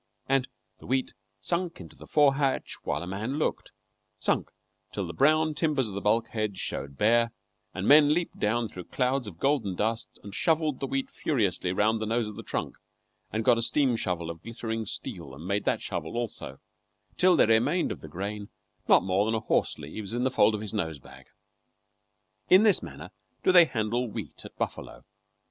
And the wheat sunk into the fore hatch while a man looked sunk till the brown timbers of the bulkheads showed bare, and men leaped down through clouds of golden dust and shovelled the wheat furiously round the nose of the trunk, and got a steam shovel of glittering steel and made that shovel also, till there remained of the grain not more than a horse leaves in the fold of his nose bag. In this manner do they handle wheat at Buffalo.